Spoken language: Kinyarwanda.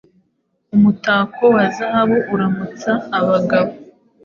Umutako wa zahabu uramutsa abagabo